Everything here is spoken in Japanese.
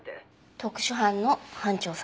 特殊犯の班長さん。